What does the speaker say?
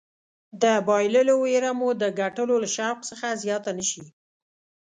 د بایللو ویره مو د ګټلو له شوق څخه زیاته نه شي.